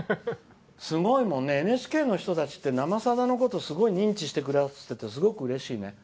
すごいですよねＮＨＫの人たちって「生さだ」のことをすごく認知してくださっててうれしいね。